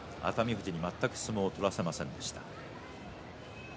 富士に全く相撲を取らせませんでした。